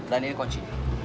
dan ini kunci